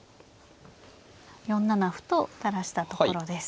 ４七歩と垂らしたところです。